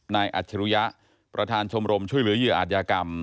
อัจฉริยะประธานชมรมช่วยเหลือเหยื่ออาจยากรรม